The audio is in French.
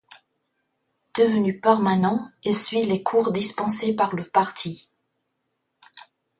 Devenu permanent, il suit les cours dispensés par le Parti.